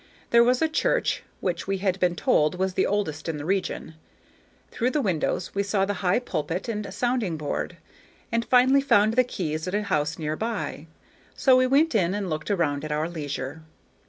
There was a church, which we had been told was the oldest in the region. Through the windows we saw the high pulpit and sounding board, and finally found the keys at a house near by; so we went in and looked around at our leisure.